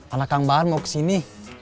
anak kang bahar mau kesini